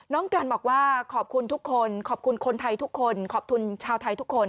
กันบอกว่าขอบคุณทุกคนขอบคุณคนไทยทุกคนขอบคุณชาวไทยทุกคน